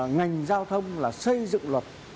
ngành giao thông là xây dựng luật